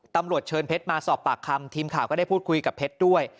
ตำรวจเชิญเพชรมาสอบปากคำทีมข่าวก็ได้พูดคุยกับเพชรด้วย